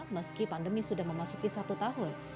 meski pandemi sudah memasuki satu tahun